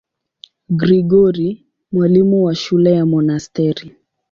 Gregori, mwalimu wa shule ya monasteri.